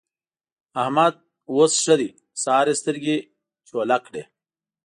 احمد اوس ښه دی؛ سهار يې سترګې چوله کړې.